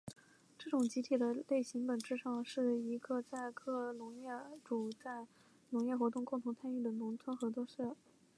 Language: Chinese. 这种集体的类型本质上是一个在各农业主在农业活动共同参与的农业生产合作社。